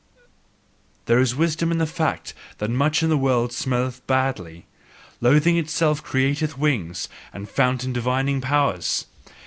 There is wisdom in the fact that much in the world smelleth badly: loathing itself createth wings, and fountain divining powers!